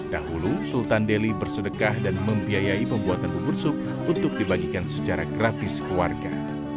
dahulu sultan deli bersedekah dan membiayai pembuatan bubur sup untuk dibagikan secara gratis ke warga